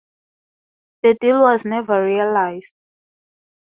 The deal was never realised.